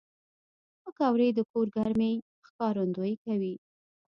پکورې د کور ګرمۍ ښکارندويي کوي